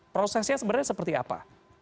prosesnya sebenarnya seperti apa